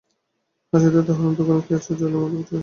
হাসিতে তাহার অন্তঃকরণ কী আশ্চর্য আলোর মতো ফুটিয়া পড়ে!